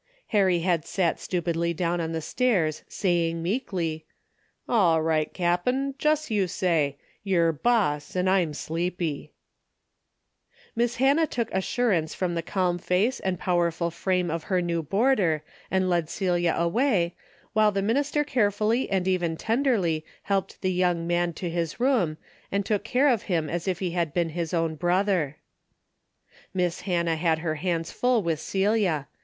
Harry had sat stupidly down on the stairs saying meekly, "All right, cap'n, jes's you say. You're boss, an' I'm sleepy." 182 A DAILY DATE." Miss Hannah took assurance from the calm face and powerful frame of her new boarder and led Celia away, while the minister care fully and even tenderly helped the young man to his room and took care of him as if he had been his own brother. Miss Hannah had her hands full with Celia.